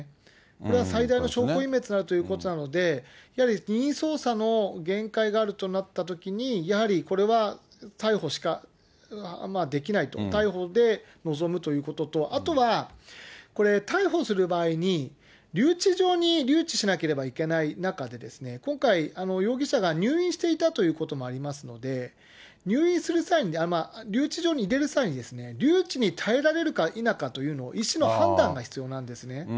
これは最大の証拠隠滅になるということなので、やはり任意捜査の限界があるとなったときに、やはりこれは逮捕しかできないと、逮捕で臨むということと、あとはこれ、逮捕する場合に留置場に留置しなければいけない中で、今回、容疑者が入院していたということもありますので、入院する際に、留置所に入れる際に、留置に耐えられるか否かというのを、医師の判断が必要なんですね。